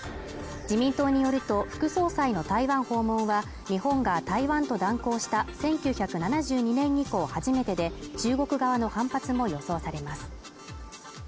自民党によると副総裁の台湾訪問は日本が台湾と断交した１９７２年以降初めてで中国側の反発も予想されます